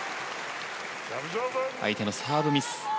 相手のサーブミス。